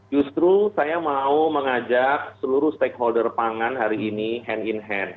justru saya mau mengajak seluruh stakeholder pangan hari ini hand in hand